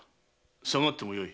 下がってもよい。